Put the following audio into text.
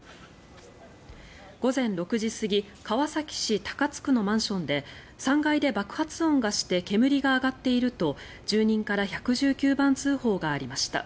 午前６時過ぎ川崎市高津区のマンションで３階で爆発音がして煙が上がっていると住人から１１９番通報がありました。